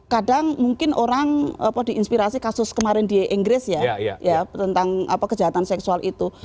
kadang mungkin orang diinspirasi kasus kemarin di inggris ya tentang kejahatan seksual itu